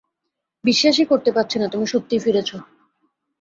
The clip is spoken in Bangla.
বিশ্বাস-ই করতে পারছি না তুমি সত্যিই ফিরেছো।